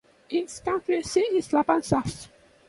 Its county seat is Lampasas.